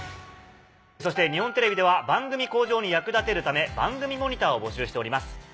そして日本テレビでは番組向上に役立てるため番組モニターを募集しております。